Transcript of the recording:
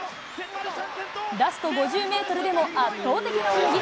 ラスト５０メートルでも圧倒的な泳ぎ。